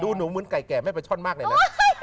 หนูเหมือนไก่แก่แม่ปลาช่อนมากเลยนะ